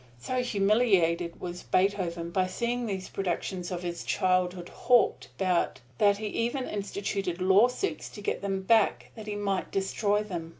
So humiliated was Beethoven by seeing these productions of his childhood hawked about that he even instituted lawsuits to get them back that he might destroy them.